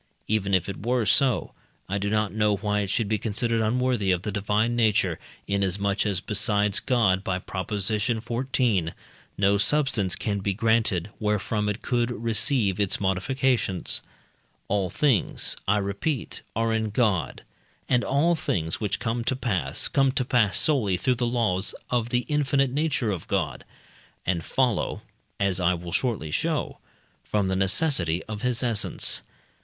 Even if it were so, I do not know why it should be considered unworthy of the divine nature, inasmuch as besides God (by Prop. xiv.) no substance can be granted, wherefrom it could receive its modifications. All things, I repeat, are in God, and all things which come to pass, come to pass solely through the laws of the infinite nature of God, and follow (as I will shortly show) from the necessity of his essence.